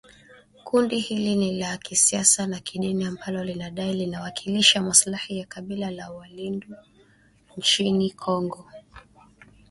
Kundi hili ni la kisiasa na kidini ambalo linadai linawakilisha maslahi ya kabila la walendu nchini Kongo